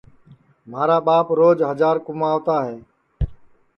مھارا ٻاپ روج ہجار کُموتا ہے